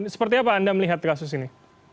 seperti apa anda melihat kasus ini